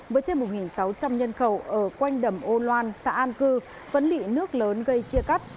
với trên một sáu trăm linh nhân khẩu ở quanh đầm âu loan xã an cư vẫn bị nước lớn gây chia cắt